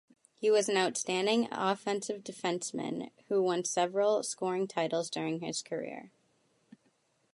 He was an outstanding offensive defenceman who won several scoring titles during his career.